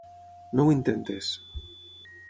No ho intentis.